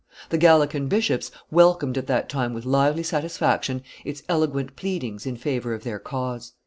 The Gallican bishops welcomed at that time with lively satisfaction, its eloquent pleadings in favor of their cause.